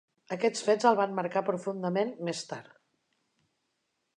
Aquests fets el van marcar profundament més tard.